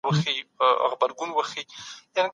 سینوهه ډیر بې شمېره یاداښتونه پریښي دي.